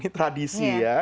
ini tradisi ya